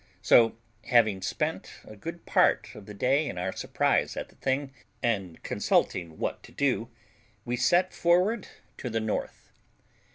So, having spent a good part of the day in our surprise at the thing, and consulting what to do, we set forward to the north.